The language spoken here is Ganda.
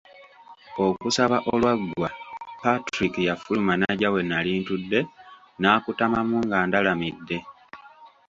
Okusaba olwaggwa, Patrick yafuluma n'ajja we nnali ntudde n'akutamamu ng'andalamidde.